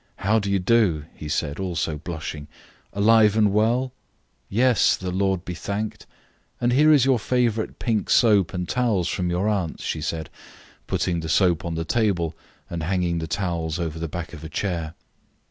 How do you do?" he said, also blushing. "Alive and well?" "Yes, the Lord be thanked. And here is your favorite pink soap and towels from your aunts," she said, putting the soap on the table and hanging the towels over the back of a chair.